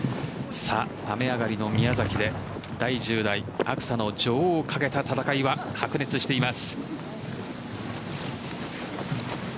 雨上がりの宮崎で第１０代アクサの女王をかけた戦いは白熱しています。